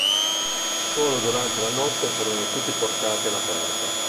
Solo durante la notte furono tutti portati all'aperto.